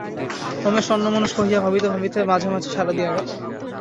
রমেশ অন্যমনস্ক হইয়া ভাবিতে ভাবিতে মাঝে মাঝে সাড়া দিয়া গেল।